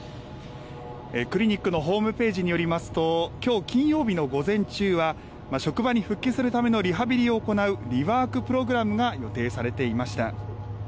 クリニックのホームページによりますと、きょう金曜日の午前中は、職場に復帰するためのリハビリを行うリワークプログラムが予定されていました。